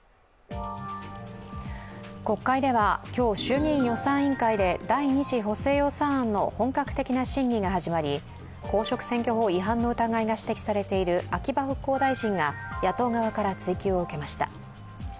国会では今日、衆議院予算委員会で第２次補正予算案の本格的な審議が始まり公職選挙法違反の疑いが指摘されている秋葉復興大臣が野党側から追及を受けました。